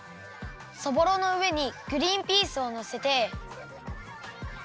そぼろのうえにグリンピースをのせて。